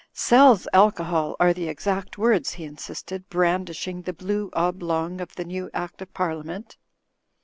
"Sells alcohol, are the exact words," he insisted, brandishing the blue oblong of the new Act of Par liament.